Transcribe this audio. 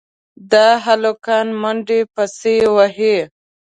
د هلکانو منډې پسې وې.